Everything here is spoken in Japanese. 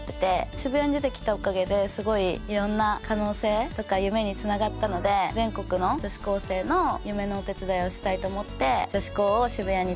渋谷に出てきたおかげですごい色んな可能性とか夢に繋がったので全国の女子高生の夢のお手伝いをしたいと思って。